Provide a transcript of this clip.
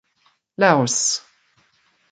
Laus.